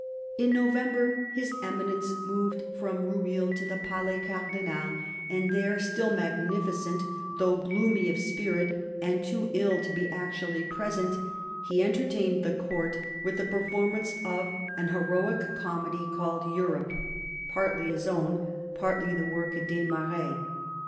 291 292 CARDINAL DE RICHELIEU In November His Eminence moved from Rueil to the Palais Cardinal, and there, still magnificent though gloomy of spirit and too ill to be actually present, he entertained the Court with the performance of an " heroic comedy " called Europe, partly his own, partly the work of Desmarets.